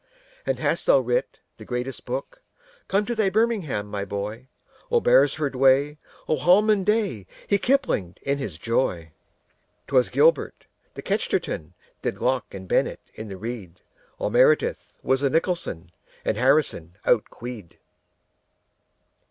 "And hast thou writ the greatest book? Come to thy birmingham, my boy! Oh, beresford way! Oh, holman day!" He kiplinged in his joy. 'Twas gilbert. The kchesterton Did locke and bennett in the reed. All meredith was the nicholson, And harrison outqueed.